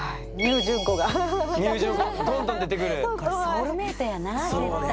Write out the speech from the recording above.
ソウルメイトやな絶対。